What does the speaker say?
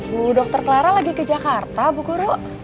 bu dokter clara lagi ke jakarta bu guru